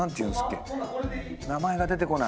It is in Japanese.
名前が出てこない。